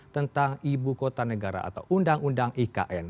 tentang ibu kota negara atau undang undang ikn